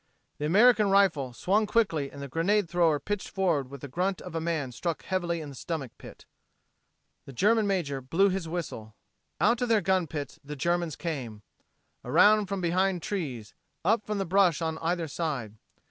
The American rifle swung quickly and the grenade thrower pitched forward with the grunt of a man struck heavily in the stomach pit. The German major blew his whistle. Out of their gun pits the Germans came around from behind trees up from the brush on either side.